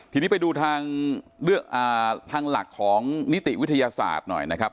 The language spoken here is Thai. ทีนี้ไปดูทางหลักของนิติวิทยาศาสตร์หน่อยนะครับ